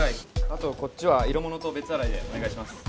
あとこっちは色物と別洗いでお願いします